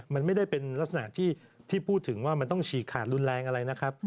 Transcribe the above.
มันไม่ได้เป็นลักษณะที่พูดถึงว่ามันต้องฉีกขาดรุนแรงอะไรนะครับ